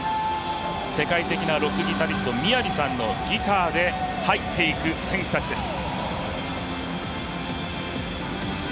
世界的なロックギタリストＭＩＹＡＶＩさんのギターで入っていく選手たちです。